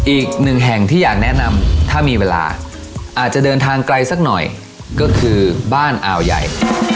อีกหนึ่งแห่งที่อยากแนะนำถ้ามีเวลาอาจจะเดินทางไกลสักหน่อยก็คือบ้านอ่าวใหญ่